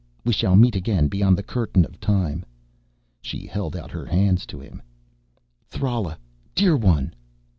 We shall meet again beyond the Curtain of Time." She held out her hands to him. "Thrala, dear one